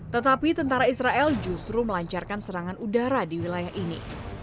tetapi tentara israel justru melancarkan serangan udara di wilayah ini